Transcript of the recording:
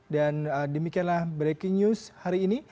dan demikianlah breaking news hari ini